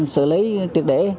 sử lý trực để